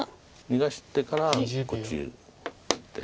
逃がしてからこっちへ打って。